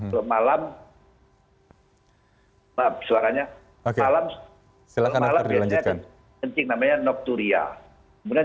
ke malam maaf suaranya oke silahkan nanti dilanjutkan kencing namanya nokturia kemudian